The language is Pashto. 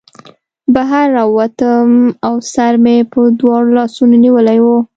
بهر راووتم او سر مې په دواړو لاسونو نیولی و